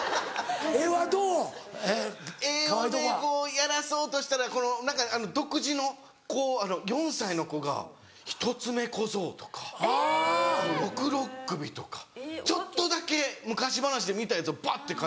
やらそうとしたら独自の４歳の子が一つ目小僧とかろくろ首とかちょっとだけ昔話で見たやつをばって描いて。